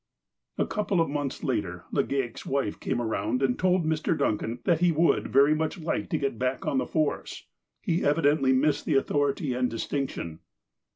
A couple of months later, Legaic's wife came around and told Mr. Duncan that he would like very much to get back on the force. He evidently missed the authority and distinction.